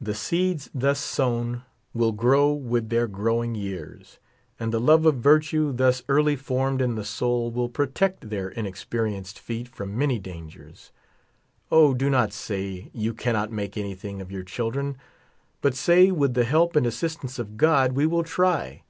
The seeds thus sown will grow with their growing years ; and the love of wtue 30 thus early formed in the soul will protect their inexpe , rienced feet from many dangers. O, do not say, you cannot make an3'thing of your chilclren ; but say, with the help and assistance of God, we will try.